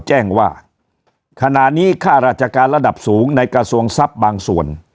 แจ้งว่าขณะนี้ค่าราชการระดับสูงในกระทรวงทรัพย์บางส่วน